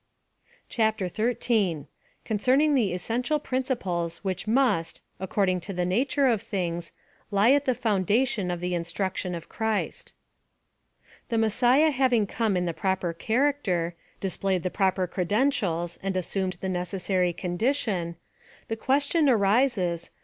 M2 PHILOSOPHY OF TiiB CHAPTER XIII. CONCERNING THE ESSENTIAL PRINCIPLES WHICH MUST, ACCORDING TO THE NATURE OF THINGS, LIE AT THE FOUNDATION OF THE INSTRUC TION OF CHRIST. The Messiah having come in the proper char acter ; displayed the proper credentials, and assum ed the necessary condition, the question arises.